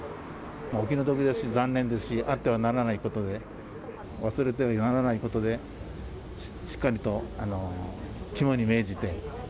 お気の毒ですし、残念ですし、あってはならないことで、忘れてはならないことで、しっかりと肝に銘じて。